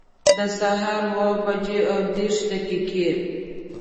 د سهار اووه بجي او دیرش دقیقي